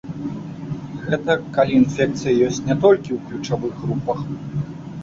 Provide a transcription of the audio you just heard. Гэта калі інфекцыя ёсць не толькі ў ключавых групах.